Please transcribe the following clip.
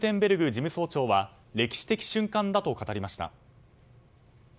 事務総長は歴史的瞬間だと語りました。